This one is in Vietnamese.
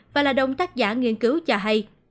và là đồng tác giả nghiên cứu cho hay